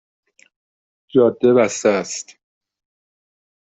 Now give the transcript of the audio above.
جاده بسته است